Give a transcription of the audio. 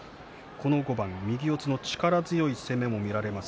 右四つの力強い攻めも見られます。